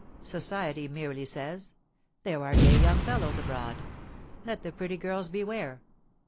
Society merely says: There are gay young fellows abroad, let the pretty girls beware!